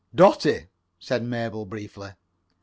"Dotty," said Mabel, briefly.